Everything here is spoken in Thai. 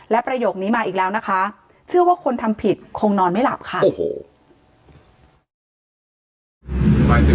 และประโยคนี้มาอีกแล้วนะคะเชื่อว่าคนทำผิดคงนอนไม่หลับค่ะโอ้โห